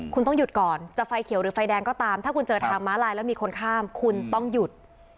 คุณต้องหยุดก่อนจะไฟเขียวหรือไฟแดงก็ตามถ้าคุณเจอทางม้าลายแล้วมีคนข้ามคุณต้องหยุด